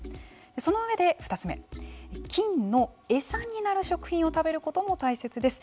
その上で２つ目菌の餌になる食品を食べることも大切です。